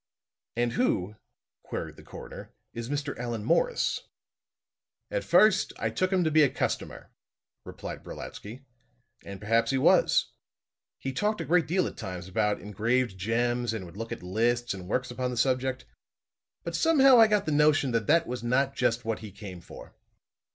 "And who," queried the coroner, "is Mr. Allan Morris?" "At first I took him to be a customer," replied Brolatsky. "And perhaps he was. He talked a great deal at times about engraved gems and would look at lists and works upon the subject. But somehow I got the notion that that was not just what he came for."